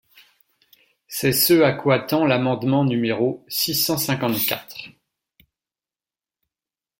C’est ce à quoi tend l’amendement numéro six cent cinquante-quatre.